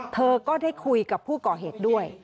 เธอก็ได้คุยกับผู้ก่อเหตุด้วย